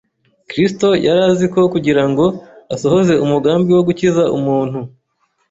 Kristo yari azi ko kugira ngo asohoze umugambi wo gukiza umuntu